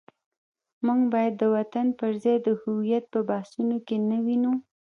موږ باید د وطن پر ځای د هویت په بحثونو کې نه ونیو.